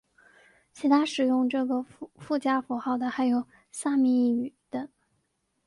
其他使用这个附加符号的还有萨米语等。